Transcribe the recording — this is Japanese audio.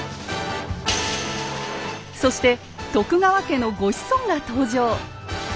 そして徳川家のご子孫が登場。